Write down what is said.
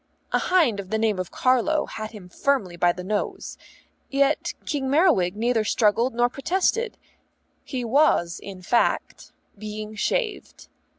A hind of the name of Carlo had him firmly by the nose. Yet King Merriwig neither struggled nor protested; he was, in fact, being shaved.